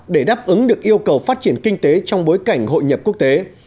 để đáp ứng được yêu cầu phát triển kinh tế trong bối cảnh hội nhập quốc tế